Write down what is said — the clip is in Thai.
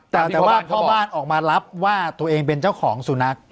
แต่ว่าพ่อบ้านออกมารับว่าตัวเองเป็นเจ้าของสุนัข